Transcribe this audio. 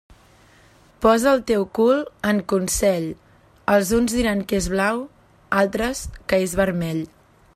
Posa el teu cul en consell, els uns diran que és blau, altres que és vermell.